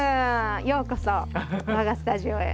ようこそ我がスタジオへ。